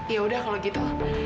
ya udah kalau gitu